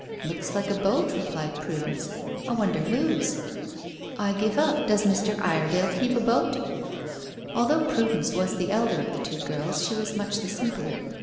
"Looks like a boat," replied Prudence. "I wonder whose?" "I give it up. Does Mr. Iredale keep a boat?" Although Prudence was the elder of the two girls she was much the simpler.